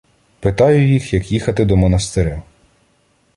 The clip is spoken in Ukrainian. Питаю їх, як їхати до монастиря.